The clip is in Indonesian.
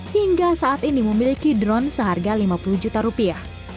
hingga saat ini memiliki drone seharga lima puluh juta rupiah